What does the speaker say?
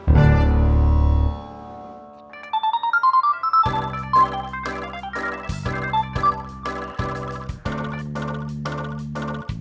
enggak tahu enggak tahu